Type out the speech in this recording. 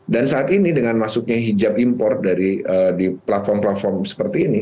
dan saat ini dengan masuknya hijab impor di platform platform seperti ini